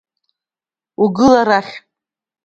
Угыл арахь!